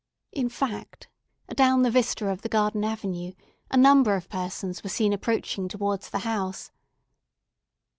In fact, adown the vista of the garden avenue, a number of persons were seen approaching towards the house.